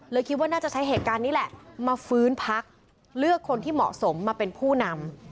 คิดว่าน่าจะใช้เหตุการณ์นี้แหละมาฟื้นพักเลือกคนที่เหมาะสมมาเป็นผู้นำ